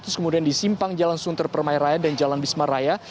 terus kemudian di simpang jalan sunter permai raya dan jalan bismaraya